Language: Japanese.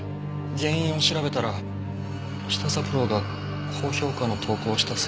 原因を調べたら舌三郎が高評価の投稿をしたせいだとわかって。